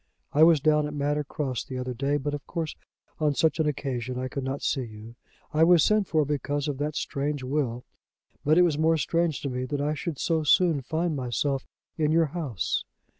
I was down at Manor Cross the other day; but of course on such an occasion I could not see you. I was sent for because of that strange will; but it was more strange to me that I should so soon find myself in your house.